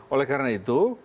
oleh karena itu